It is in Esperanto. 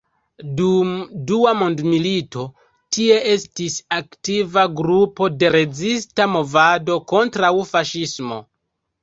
Dum dua mondmilito tie estis aktiva grupo de rezista movado kontraŭ faŝismo.